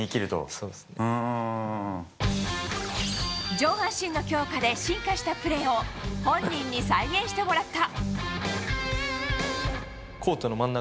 上半身の強化で進化したプレーを本人に再現してもらった。